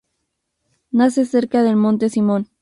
Nace cerca del monte Simón.